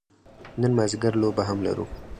نن مازدیګر لوبه هم لرو.